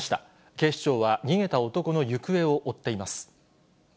警視庁は逃げた男の行方を追っています。